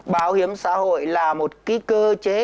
bảo hiểm xã hội là một ký cơ chế